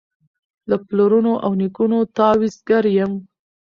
له پلرونو له نیکونو تعویذګر یم